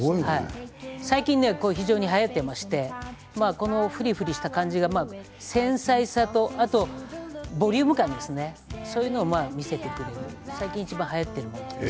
最近、非常にはやっていましてフリフリした感じが繊細さとボリューム感ですねそういうものを見せてくれて最近いちばんはやっています。